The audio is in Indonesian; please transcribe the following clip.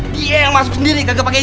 dia yang masuk sendiri kagak pake izin